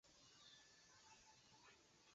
索克塞罗特人口变化图示